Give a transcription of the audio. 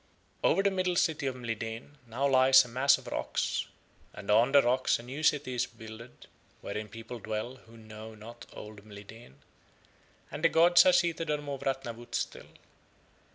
Over the Middle City of Mlideen now lies a mass of rocks, and on the rocks a new city is builded wherein people dwell who know not old Mlideen, and the gods are seated on Mowrah Nawut still.